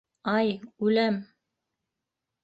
Ай, үләм!..